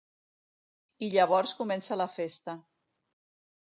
I llavors comença la festa.